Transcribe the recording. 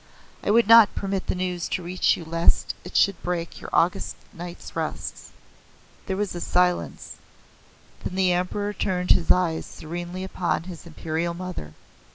I would not permit the news to reach you lest it should break your august night's rest." There was a silence, then the Emperor turned his eyes serenely upon his Imperial Mother.